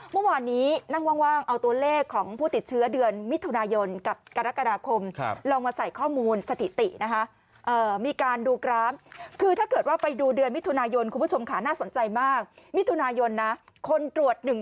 เมื่อวานนี้นั่งว่างเอาตัวเลขของผู้ติดเชื้อเดือนมิถุนายนกับกรกฎาคมลองมาใส่ข้อมูลสถิตินะคะมีการดูกราฟคือถ้าเกิดว่าไปดูเดือนมิถุนายนคุณผู้ชมค่ะน่าสนใจมากมิถุนายนนะคนตรวจ